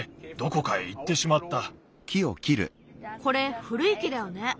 これふるい木だよね。